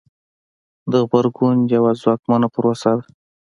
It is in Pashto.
د غبرګون یوه ځواکمنه پروسه ده.